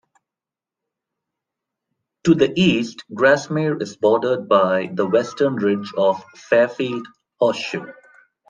To the east, Grasmere is bordered by the western ridge of the Fairfield horseshoe.